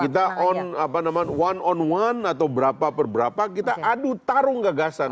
kita one on one atau berapa per berapa kita adu tarung gagasan